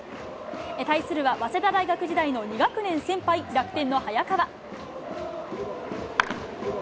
対するは、早稲田大学時代の２学年先輩、楽天の早川。